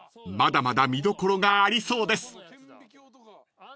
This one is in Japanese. まだまだ見どころがありそうです］